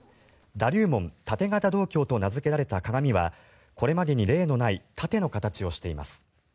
だ龍文盾形銅鏡と名付けられた鏡はこれまでに例のない盾の形をしています。